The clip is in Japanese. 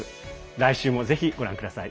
来週も、ぜひご覧ください。